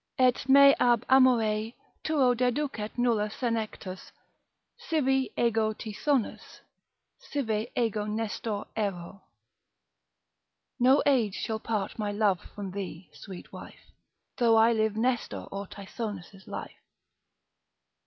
Et me ab amore tuo deducet nulla senectus, Sive ego Tythonus, sive ego Nestor ero. No age shall part my love from thee, sweet wife, Though I live Nestor or Tithonus' life.